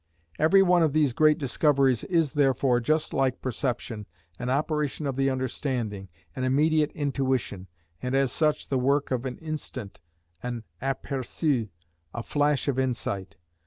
Every one of these great discoveries is therefore, just like perception, an operation of the understanding, an immediate intuition, and as such the work of an instant, an apperçu, a flash of insight.